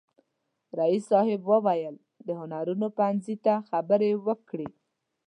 رئیس صاحب وویل د هنرونو پوهنځي ته خبرې وکړي.